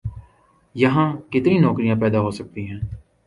یہاں کتنی نوکریاں پیدا ہو سکتی ہیں؟